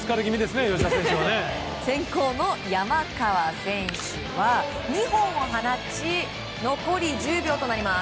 先攻の山川選手は２本を放ち残り１０秒となります。